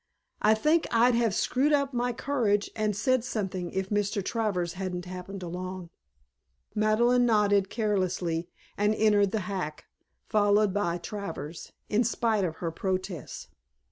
I think I'd have screwed up my courage and said something if Mr. Travers hadn't happened along." Madeleine nodded carelessly and entered the hack, followed by Travers, in spite of her protests.